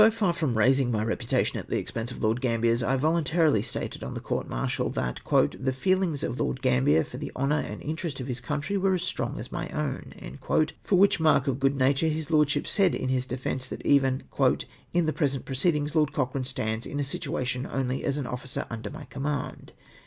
95 So for from " raising my reputation at the expense of Lord Gambier's," I voluntarily stated on the court martial, that "the feehngs of Lord Gambler for the honour and interest of his country were as strong as my own." [Minutes^ p. 40.) For which mark of good nature, his lordship said in his defence, that even " in the present proceedings, Lord Cochrane stands in a situation only as an officer under my command